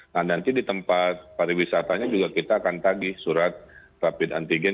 nah nanti di tempat pariwisatanya juga kita akan tagih surat rapid antigen